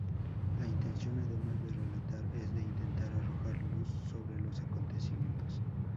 La intención, además de relatar, es de intentar arrojar luz sobre los acontecimientos.